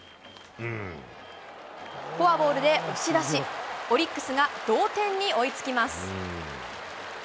フォアボールで押し出し、オリックスが同点に追いつきます。